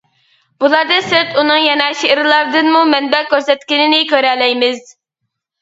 بۇلاردىن سىرت ئۇنىڭ يەنە شېئىرلاردىنمۇ مەنبە كۆرسەتكىنىنى كۆرەلەيمىز.